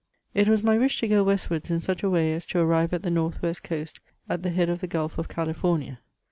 It was my wish to go westwards in such a way as to arrive at the North west coast at the head of the Gulf of California.